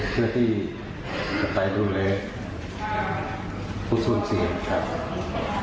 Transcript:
เพื่อที่จะไปดูแลผู้สูญเสียครับ